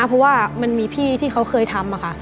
เพราะว่ามันมีพี่ที่เขาเคยทำค่ะ